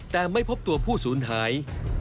แต่ไม่พบตัวผู้สูญหาย